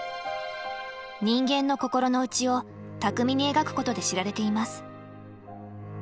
人間の心の内を巧みに描くことで知られています。